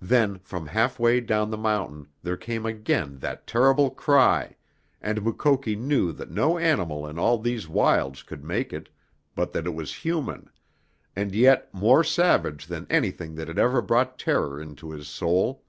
Then, from half way down the mountain, there came again that terrible cry, and Mukoki knew that no animal in all these wilds could make it, but that it was human, and yet more savage than anything that had ever brought terror into his soul.